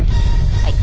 はい。